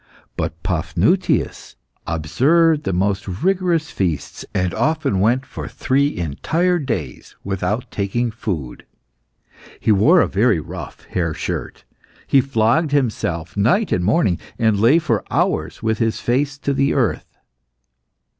But Paphnutius observed the most rigorous fasts, and often went for three entire days without taking food. He wore a very rough hair shirt, he flogged himself night and morning, and lay for hours with his face to the earth.